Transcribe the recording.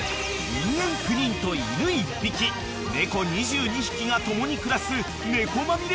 ［人間９人と犬１匹猫２２匹が共に暮らす猫まみれ